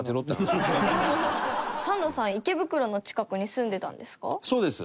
サンドさん池袋の近くに住んでたんですか？